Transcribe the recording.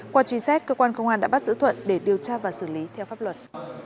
qua truy xét cơ quan công an đã bắt giữ thuận để điều tra và xử lý theo pháp luật